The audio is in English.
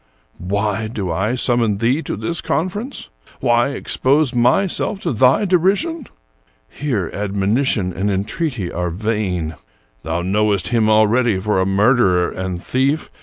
"Why do I summon thee to this conference? Why ex pose myself to thy derision? Here admonition and en treaty are vain. Thou knowest him already for a murderer and thief.